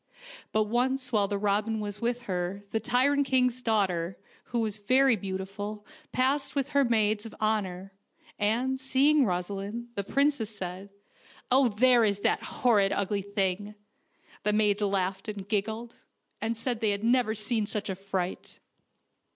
But once while the robin was with her the tyrant king's daughter, who was very beautiful, passed with her maids of honor, and, seeing Rosaleen, the princess said : THE FAIRY TREE OF DOOROS 115 " Oh, there is that horrid ugly thing." The maids laughed and giggled, and said they had never seen such a fright.